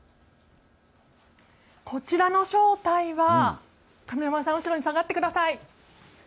こちらの正体はカメラマンさん後ろに下がってください。